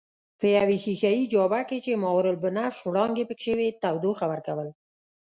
په یوې ښیښه یي جابه کې چې ماورابنفش وړانګې پکښې وې تودوخه ورکول.